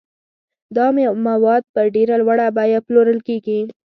دا مواد په ډېره لوړه بیه پلورل کیږي.